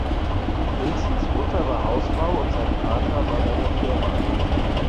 Wilsons Mutter war Hausfrau und sein Vater war bei der Fa.